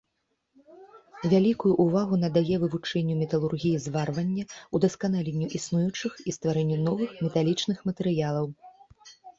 Вялікую ўвагу надае вывучэнню металургіі зварвання, удасканаленню існуючых і стварэнню новых металічных матэрыялаў.